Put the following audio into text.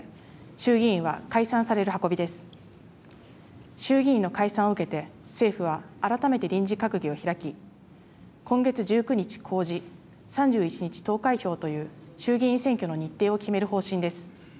衆議院の解散を受けて政府は改めて臨時閣議を開き、今月１９日公示、３１日投開票という衆議院選挙の日程を決める方針です。